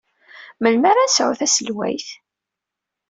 Melmi ara nesɛu taselwayt?